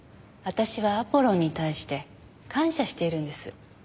私はアポロンに対して感謝しているんです。